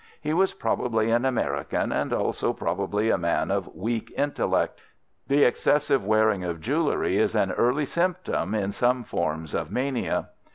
He was probably an American, and also probably a man of weak intellect. The excessive wearing of jewellery is an early symptom in some forms of mania.